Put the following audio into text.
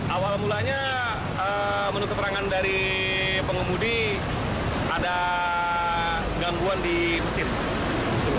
awal mulanya menurut keterangan dari pengemudi ada gangguan di mesin